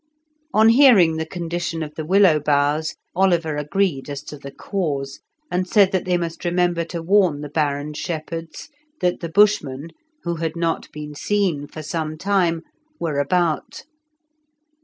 On hearing the condition of the willow boughs Oliver agreed as to the cause, and said that they must remember to warn the Baron's shepherds that the Bushmen, who had not been seen for some time, were about.